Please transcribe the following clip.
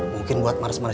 mungkin buat maris maris